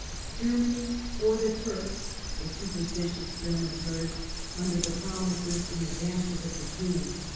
" Germany for the Turks," the superstitious Germans heard, under the promises and advances of the King.